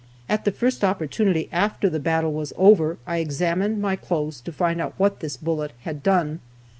At the first opportunity after the battle was over I examined my clothes to find out what this bullet had done.